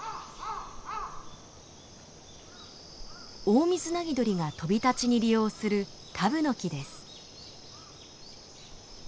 オオミズナギドリが飛び立ちに利用するタブノキです。